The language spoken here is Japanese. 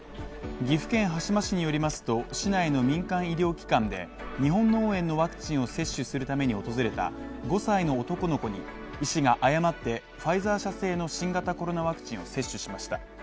岐阜県羽島市によりますと、市内の民間医療機関で、日本脳炎のワクチンを接種するために訪れた５歳の男の子に医師が誤ってファイザー社製の新型コロナワクチンを接種しました。